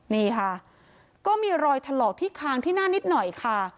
นี่ค่ะก็มีรอยถลอกที่คางที่หน้านิดหน่อยค่ะ